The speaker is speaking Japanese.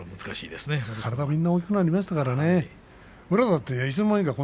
体が大きくなりましたからね。